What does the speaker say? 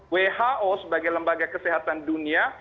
who sebagai lembaga kesehatan dunia